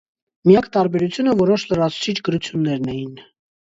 Միակ տարբերությունը որոշ լրացուցիչ գրություններն էին։